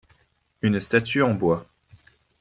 Une statue en bois.